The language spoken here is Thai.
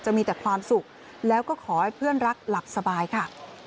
มีความสุขแล้วก็ขอให้เพื่อนรักหลับสบายค่ะ